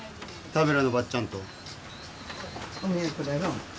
田村のばっちゃんと。